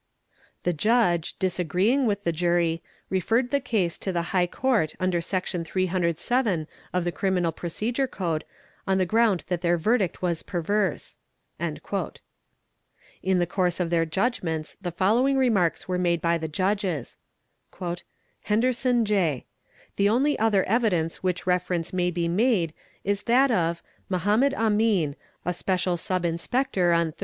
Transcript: "The Judge, disagreeing with the Jury, referred the case to the High Court under Section 307 of the Criminal Procedure Code on the ground that their verdict was perverse." | 1B Ae ae ae a le ALE ORL RINNE GR Ps ROTTER MR AAT RI In the course of their judgments the following remarks were made by the Judges. " Henderson, J. 'Uhe only other evidence which reference may be made is that of...... Mahomed Amun, a special Sub Inspector on Rs.